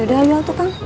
yaudah yuk tuh kak